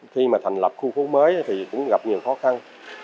khi mà thành lập khu phố mới thì cũng gặp nhiều khó khăn